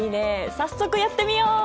早速やってみよう！